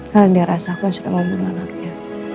karena dia rasa aku sudah membunuh anaknya